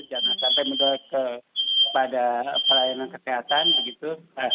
jangan sampai mendoa kepada pelayanan kesehatan begitu